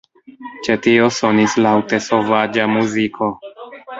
Ĉe tio sonis laŭte sovaĝa muziko.